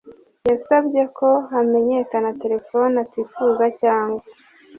yasabye ko hamenyekana telefoni atifuza cyangwa